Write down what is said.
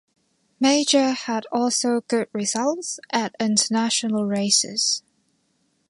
Meijer had also good results at international races.